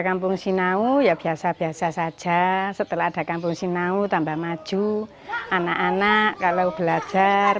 kampung sinau ya biasa biasa saja setelah ada kampung sinau tambah maju anak anak kalau belajar